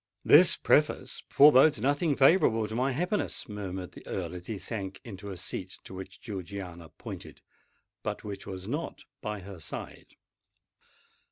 "This preface forebodes nothing favourable to my happiness," murmured the Earl, as he sank into a seat to which Georgiana pointed—but which was not by her side!